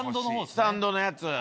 スタンドのやつ。